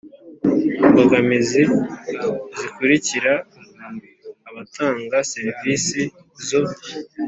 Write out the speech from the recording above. Imbogamizi zikurikira abatanga serivisi zo